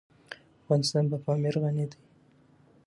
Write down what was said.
افغانستان په پامیر غني دی.